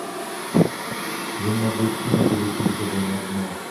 Він, мабуть, і не долетів живий на дно.